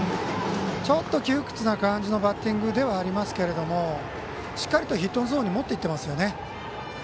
ちょっと窮屈な感じのバッティングではありますけれどしっかりとヒットゾーンに持っていっていますよね。